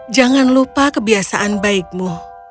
jangan lupa kebiasaan baikmu